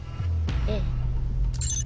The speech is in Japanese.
ええ。